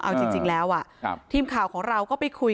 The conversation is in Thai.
เอาจริงแล้วทีมข่าวของเราก็ไปคุย